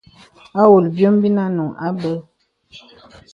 Awɔlə̀ bìom bì ànuŋ àbə̀.